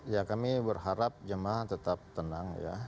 ya kami berharap jemaah tetap tenang ya